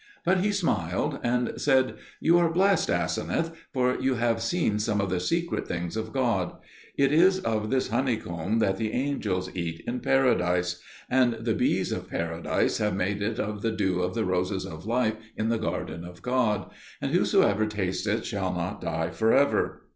But he smiled and said, "You are blessed, Aseneth, for you have seen some of the secret things of God; it is of this honeycomb that the angels eat in Paradise, and the bees of Paradise have made it of the dew of the roses of life in the garden of God; and whosoever tastes it shall not die for ever."